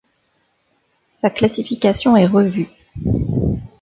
Sa classification est revue.